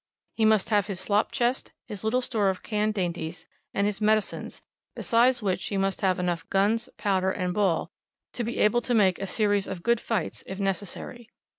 He must have his slop chest, his little store of canned dainties, and his medicines, besides which, he must have enough guns, powder, and ball to be able to make a series of good fights if necessary.